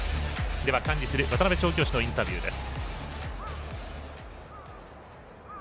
では管理する渡辺調教師のインタビューです。